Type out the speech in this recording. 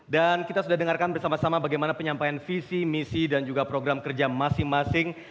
dan kita sudah dengarkan bersama sama bagaimana penyampaian visi misi dan juga program kerja masing masing